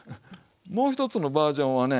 もう一つのバージョンはね